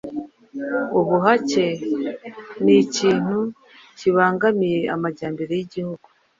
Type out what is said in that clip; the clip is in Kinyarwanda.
ubuhake ni ikintu kibangamiye amajyambere y'igihugu,